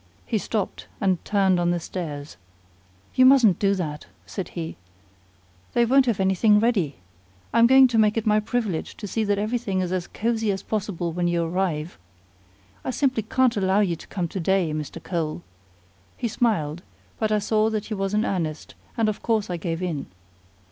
He stopped and turned on the stairs. "You mustn't do that," said he; "they won't have anything ready. I'm going to make it my privilege to see that everything is as cosey as possible when you arrive. I simply can't allow you to come to day, Mr. Cole!" He smiled, but I saw that he was in earnest, and of course I gave in.